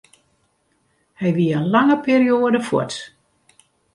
Hy wie in lange perioade fuort.